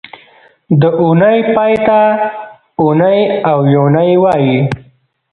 د اونۍ پای ته اونۍ او یونۍ وایي